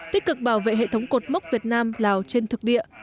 tích cực bảo vệ hệ thống cột mốc việt nam lào trên thực địa